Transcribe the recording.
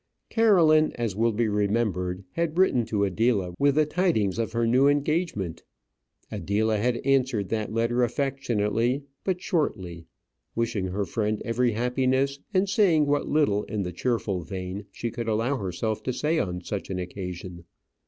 Caroline, as will be remembered, had written to Adela with the tidings of her new engagement. Adela had answered that letter affectionately, but shortly; wishing her friend every happiness, and saying what little in the cheerful vein she could allow herself to say on such an occasion.